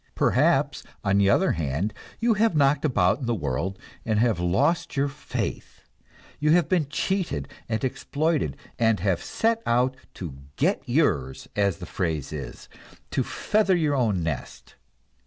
Perhaps, on the other hand, you have knocked about in the world and lost your "faith"; you have been cheated and exploited, and have set out to "get yours," as the phrase is; to "feather your own nest."